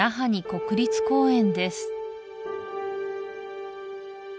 国立公園です